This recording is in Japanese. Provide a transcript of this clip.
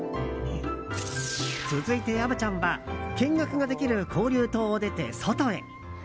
続いて虻ちゃんは見学ができる交流棟を出て外へ。